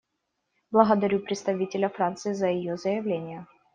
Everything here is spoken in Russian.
Благодарю представителя Франции за ее заявление.